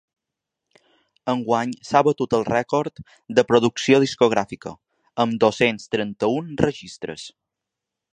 Enguany s’ha batut el rècord de producció discogràfica, amb dos-cents trenta-un registres.